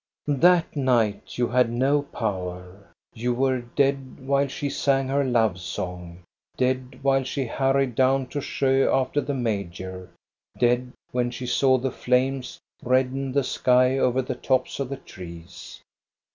That night you had no power. You were dead while she sang her love song, dead while she hurried down to Sjo after the major, dead when she saw the flames redden the sky over the tops of the trees.